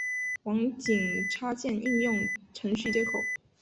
网景插件应用程序接口。